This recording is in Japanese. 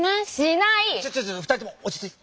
ちょちょちょ二人とも落ち着いて。